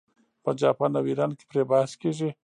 په جاپان او ایران کې پرې بحث کیږي.